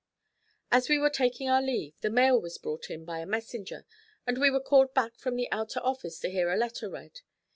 As we were taking our leave, the mail was brought in by a messenger, and we were called back from the outer office to hear a letter read.